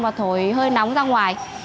và thổi hơi nóng ra ngoài